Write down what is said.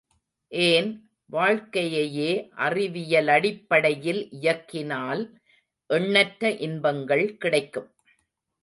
ஏன், வாழ்க்கையையே அறிவியலடிப்படையில் இயக்கினால் எண்ணற்ற இன்பங்கள் கிடைக்கும்.